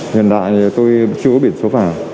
nhân đại thì tôi chưa có biển số vàng